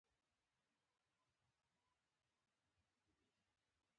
مو په بېړه وکړئ، دا د وړو په څېر پوښتنه.